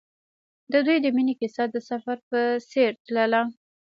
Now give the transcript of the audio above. د دوی د مینې کیسه د سفر په څېر تلله.